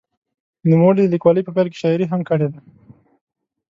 نوموړي د لیکوالۍ په پیل کې شاعري هم کړې ده.